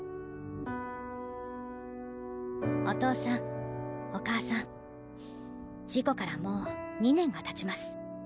お父さんお母さん事故からもう２年が経ちます。